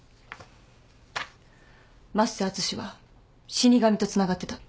升瀬淳史は死神とつながってた。